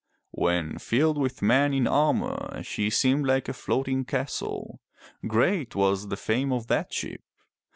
When filled with men in armor she seemed like a floating castle. Great was the fame of that ship.